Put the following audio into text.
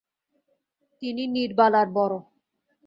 তিনি নীরবালার বড়ো।